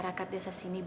jangan lupa amir